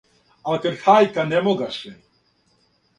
Ал' кад хајка не могаше